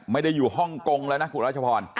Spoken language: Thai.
ไม่ได้อยู่ฮ่องกงแล้วนะคุณรัชพร